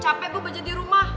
capek gue belajar di rumah